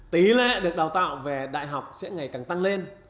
tỷ lệ được đào tạo về đại học sẽ ngày càng tăng lên